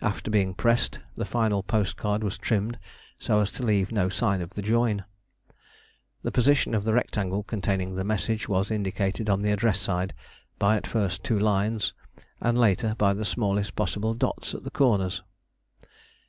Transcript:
After being pressed, the final post card was trimmed so as to leave no sign of the join. The position of the rectangle containing the message was indicated on the address side by at first two lines, and later by the smallest possible dots at the corners.